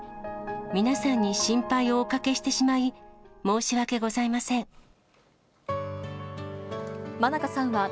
皆さんに心配をおかけしてしまい、申し訳ございません。